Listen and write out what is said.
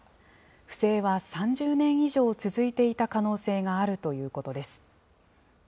不正は３０年以上続いていた可能性があるということです。